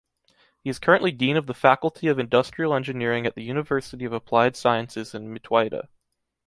He is currently Dean of the Faculty of Industrial Engineering at the University of Applied Sciences in Mittweida.